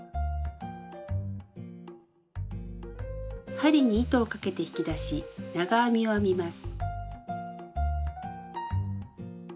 針に糸をかけて引き出し長編みを編みます。